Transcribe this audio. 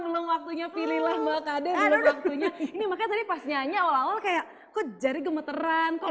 belum waktunya pilihlah mbak kd makanya tadi pas nyanyi awal awal kayak kok jari gemeteran kok